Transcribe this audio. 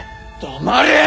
黙れ！